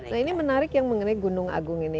nah ini menarik yang mengenai gunung agung ini